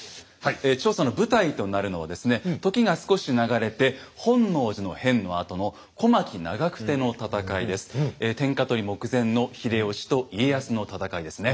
調査の舞台となるのはですね時が少し流れて天下取り目前の秀吉と家康の戦いですね。